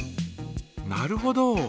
なるほど。